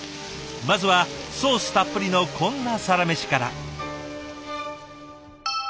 まずはソースたっぷりのこんなサラメシから。